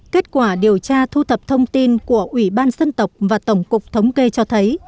kết quả điều tra thu thập thông tin của ủy ban dân tộc và tổng cục thống kê cho thấy